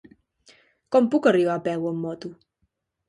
Com puc arribar a Pego amb moto?